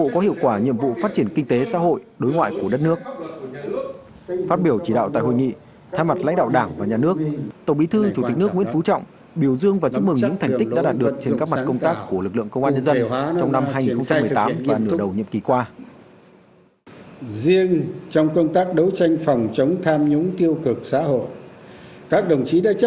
kinh tế xã hội đối ngoại của đất nước phát biểu chỉ đạo tại hội nghị thay mặt lãnh đạo đảng và nhà nước tổng bí thư chủ tịch nước nguyễn phú trọng biểu dương và chúc mừng những thành tích đã đạt được trên các mặt công tác của lực lượng công an nhân dân trong năm hai nghìn một mươi tám và nửa đầu nhiệm kỳ qua